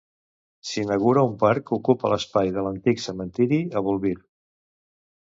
S'inaugura un parc que ocupa l'espai de l'antic cementiri a Bolvir.